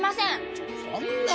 ちょっとそんな！